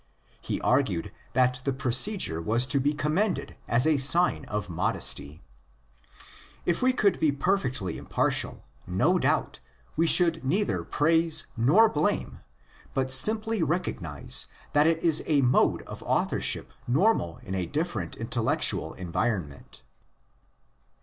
He argued that the procedure was to be commended as a sign of modesty. If we could be perfectly impartial, no doubt we should neither praise nor blame, but simply recognise that it is a mode of authorship normal in a different intellectual environ ment.